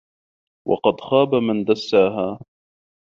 وَقَد خابَ مَن دَسّاها